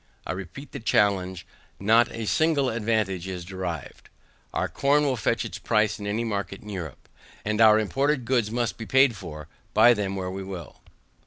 I repeat the challenge, not a single advantage is derived. Our corn will fetch its price in any market in Europe, and our imported goods must be paid for buy them where we will.